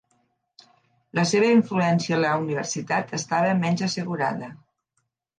La seva influència a la Universitat estava menys assegurada.